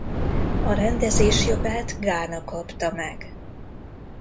A rendezés jogát Ghána kapta meg.